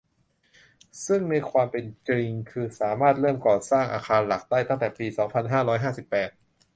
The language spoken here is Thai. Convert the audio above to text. ซึ่งในความเป็นจริงคือสามารถเริ่มก่อสร้างอาคารหลักได้ตั้งแต่ปี สองพันห้าร้อยห้าสิบแปด